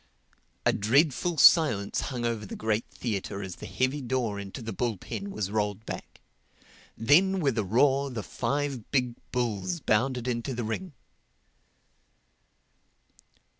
A dreadful silence hung over the great theatre as the heavy door into the bull pen was rolled back. Then with a roar the five big bulls bounded into the ring.